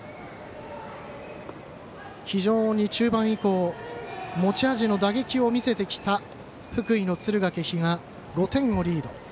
中盤以降持ち味の打撃を見せてきた福井の敦賀気比が５点をリード。